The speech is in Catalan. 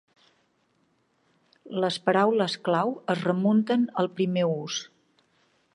Les paraules clau es remunten al primer ús.